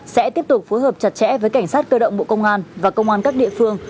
sẽ tiếp tục phối hợp chặt chẽ với cảnh sát cơ động bộ công an và công an các địa phương